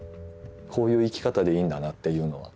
こういう生き方でいいんだなっていうのは。